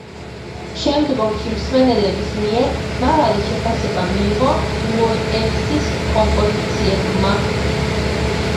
შემდგომში მსმენელების მიერ მაღალი შეფასება მიიღო უოტერსის კომპოზიციებმა.